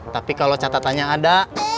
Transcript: tapi kalau catatannya ada